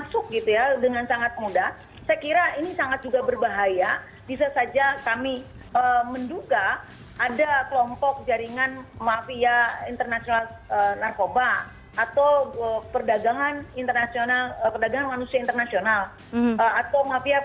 saya kira ini yang harus juga disadari oleh pemimpin di negeri ini